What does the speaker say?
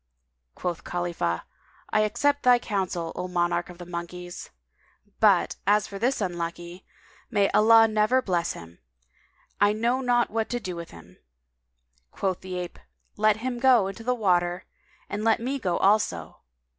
Quoth Khalifah, "I accept thy counsel, O monarch of all the monkeys! But, as for this unlucky, may Allah never bless him! I know not what to do with him." Quoth the ape, "Let him go [FN#200] into the water, and let me go also."